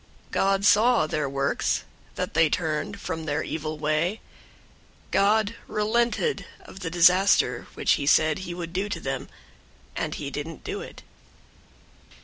003:010 God saw their works, that they turned from their evil way. God relented of the disaster which he said he would do to them, and he didn't do it.